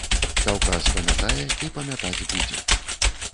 Каўказ памятае і памятаць будзе.